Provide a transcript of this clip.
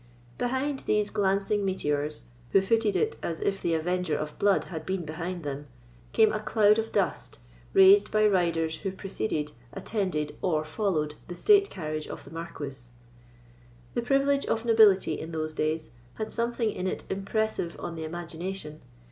Behind these glancing meteors, who footed it as if the Avenger of Blood had been behind them, came a cloud of dust, raised by riders who preceded, attended, or followed the state carriage of the Marquis. The privilege of nobility, in those days, had something in it impressive on the imagination.